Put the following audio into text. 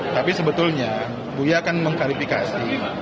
tapi sebetulnya bu ya kan mengkarifikasi